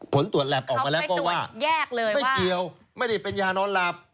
ผลตรวจแหลปออกมาแล้วก็ว่าแยกเลยไม่เกี่ยวไม่ได้เป็นยานอนหลับ